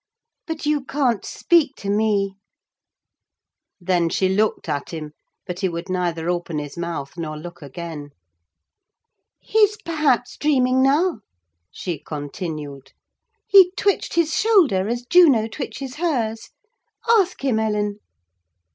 But you can't speak to me!" Then she looked at him; but he would neither open his mouth nor look again. "He's, perhaps, dreaming now," she continued. "He twitched his shoulder as Juno twitches hers. Ask him, Ellen."